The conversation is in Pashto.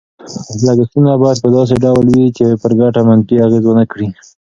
لګښتونه باید په داسې ډول وي چې پر ګټه منفي اغېز ونه کړي.